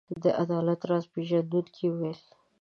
د عدالت راز پيژندونکو وویل.